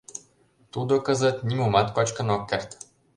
— Тудо кызыт нимомат кочкын ок керт...